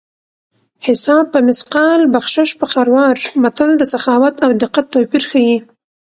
حساب په مثقال بخشش په خروار متل د سخاوت او دقت توپیر ښيي